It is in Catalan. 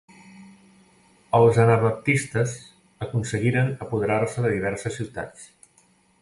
Els anabaptistes aconseguiren apoderar-se de diverses ciutats.